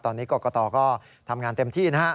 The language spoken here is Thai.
ตอนนี้กรกตก็ทำงานเต็มที่นะฮะ